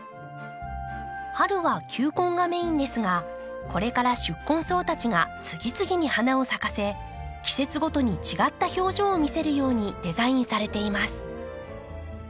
春は球根がメインですがこれから宿根草たちが次々に花を咲かせ季節ごとに違った表情を見せるようにデザインされています。